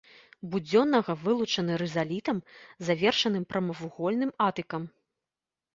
Будзённага вылучаны рызалітам, завершаным прамавугольным атыкам.